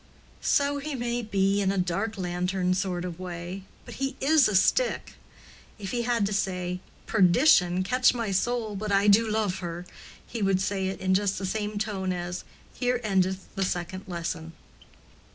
"So he may be in a dark lantern sort of way. But he is a stick. If he had to say, 'Perdition catch my soul, but I do love her,' he would say it in just the same tone as, 'Here endeth the second lesson.